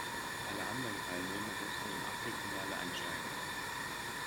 Alle anderen Teilnehmer mussten im Achtelfinale einsteigen.